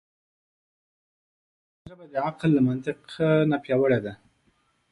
دا ژبه د عقل له منطق نه پیاوړې ده.